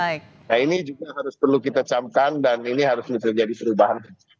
jadi ini juga harus perlu kita camkan dan ini harus menjadi perubahan